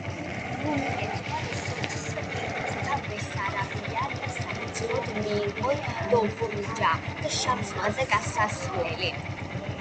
რუმინეთმა რუსეთს გადასცა ბესარაბია და სანაცვლოდ მიიღო დობრუჯა და შავ ზღვაზე გასასვლელი.